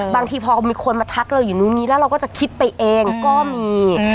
บางทีพอมีคนมาทักเราอยู่นู้นนี้แล้วเราก็จะคิดไปเองก็มี